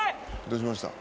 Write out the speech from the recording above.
「どうしました？」